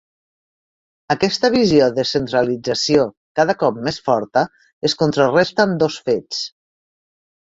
Aquesta visió de centralització cada cop més forta es contraresta amb dos fets.